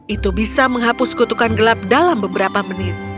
itu bisa menghapus kutukan gelap dalam beberapa menit